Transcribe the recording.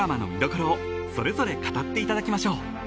［それぞれ語っていただきましょう］